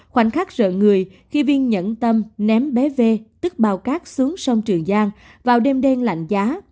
khoảnh khắc sợ người khi viên nhẫn tâm ném bé v tức bao cát xuống sông trường giang vào đêm đen lạnh giá